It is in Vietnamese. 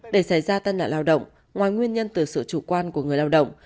để xảy ra tai nạn lao động ngoài nguyên nhân từ sự chủ quan của người lao động